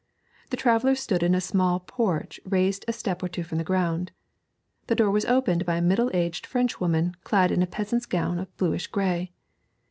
The traveller stood in a small porch raised a step or two from the ground. The door was opened by a middle aged Frenchwoman clad in a peasant's gown of bluish grey.